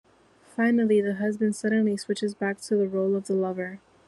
Finally, the husband suddenly switches back to the role of the lover.